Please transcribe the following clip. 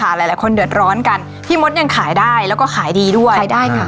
หลายหลายคนเดือดร้อนกันพี่มดยังขายได้แล้วก็ขายดีด้วยขายได้ค่ะ